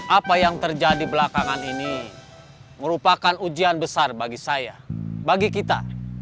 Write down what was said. apa yang terjadi belakangan ini merupakan ujian besar bagi saya bagi kita